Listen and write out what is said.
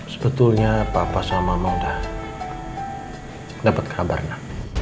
sebetulnya papa sama mama udah dapat kabarnya